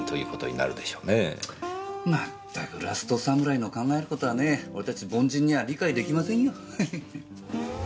まったくラストサムライの考える事はね俺たち凡人には理解できませんよハハ。